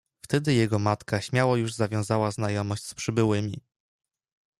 Wtedy jego matka śmiało już zawiązała znajomość z przybyłymi.